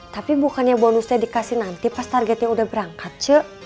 tapi bukannya bonusnya dikasih nanti pas targetnya udah berangkat cek